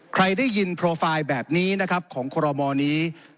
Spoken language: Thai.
ใครได้ยินโปรไฟล์แบบนี้นะครับของคอรมอลนี้